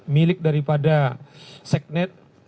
milik daripada seknet